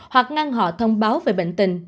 hoặc ngăn họ thông báo về bệnh tình